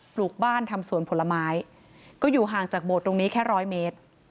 ลูกบ้านทำสวนผลไม้ก็อยู่ห่างจากโบสถ์ตรงนี้แค่ร้อยเมตร